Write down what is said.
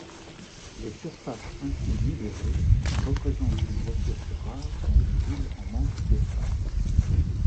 Les surfaces ainsi libérées représentent une ressource rare dans une ville en manque d'espace.